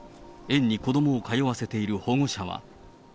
園に子どもを通わせている保護者は。